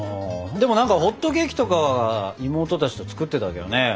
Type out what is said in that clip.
でも何かホットケーキとか妹たちと作ってたけどね。